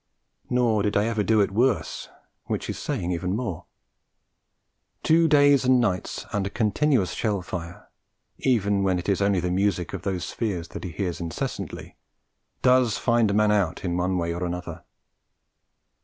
Nor did I ever do it worse which is saying even more. Two days and nights under continuous shell fire, even when it is only the music of those spheres that he hears incessantly, does find a man out in one way or another.